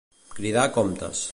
Cridar a comptes.